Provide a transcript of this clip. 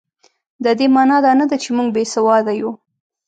د دې مانا دا نه ده چې موږ بې سواده یو.